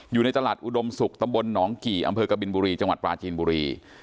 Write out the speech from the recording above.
อยู่ในตลาดอุดมศุกร์ตำบลหนองกี่อำเภอกบินบุรีจังหวัดปราจีนบุรี